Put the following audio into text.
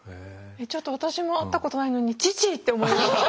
ちょっと私も会ったことないのに「父！」って思いました。